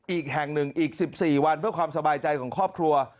อีกแห่งหนึ่งอีก๑๔วันเพื่อความสบายใจของครอบครัว